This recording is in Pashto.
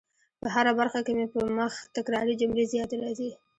په هره برخه کي مي په مخ تکراري جملې زیاتې راځي